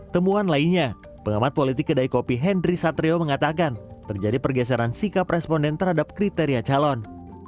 temuan lainnya pengamat politik kedai kopi henry satrio mengatakan terjadi pergeseran sikap responden terhadap kriteria calon